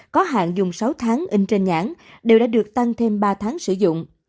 có hạn dùng sáu tháng in trên nhãn đều đã được tăng thêm ba tháng sử dụng